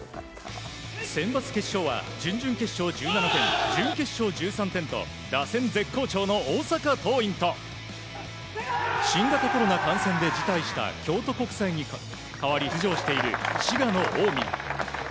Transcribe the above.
センバツ決勝は準々決勝１７点準決勝１３点と打線絶好調の大阪桐蔭と新型コロナ感染で辞退した京都国際に代わり出場している、滋賀の近江。